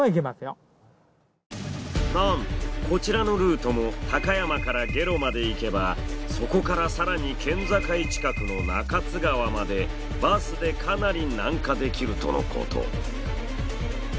なんとこちらのルートも高山から下呂まで行けばそこから更に県境近くの中津川までバスでかなり南下できるとのこと。